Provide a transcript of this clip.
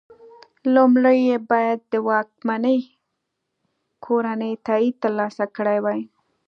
لومړی یې باید د واکمنې کورنۍ تایید ترلاسه کړی وای.